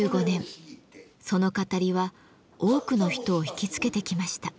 その語りは多くの人を引きつけてきました。